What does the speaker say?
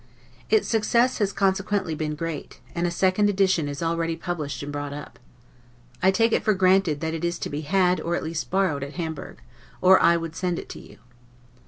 Its success has consequently been great, and a second edition is already published and bought up. I take it for granted, that it is to be had, or at least borrowed, at Hamburg, or I would send it to you.